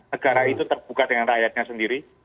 negara itu terbuka dengan rakyatnya sendiri